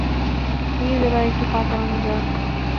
Please এবার একটু পা চালানো যাক।